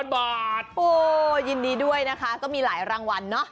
๖๐๐๐บาทเยี่ยมด้วยนะคะเพราะมีหลายรางวัลเนาะ